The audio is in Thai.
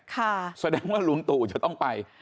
แสดงว่าลุงตู่จะต้องไป